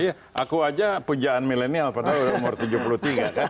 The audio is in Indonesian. iya aku aja pujaan milenial padahal udah umur tujuh puluh tiga kan